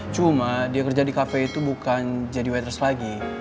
cuma dia kerja di kafe itu bukan jadi waters lagi